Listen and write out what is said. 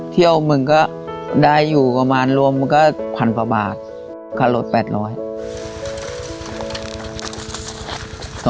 เที่ยวมันก็ได้อยู่ประมาณรวมมันก็๑๐๐๐บาทค่ารถ๘๐๐